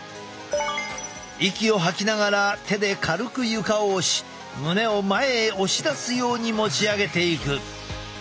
息を吐きながら手で軽く床を押し胸を前へ押し出すように持ち上げていく。